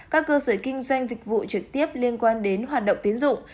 các cơ sở kinh doanh dịch vụ trực tiếp liên quan đến hoạt động tiến dụng